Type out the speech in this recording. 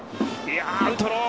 アウトロー。